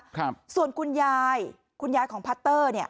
ครับส่วนคุณยายคุณยายของพัตเตอร์เนี้ย